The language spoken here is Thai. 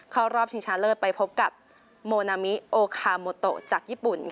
รอบชิงชนะเลิศไปพบกับโมนามิโอคาโมโตจากญี่ปุ่น